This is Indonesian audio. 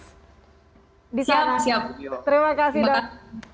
siap siap terima kasih dok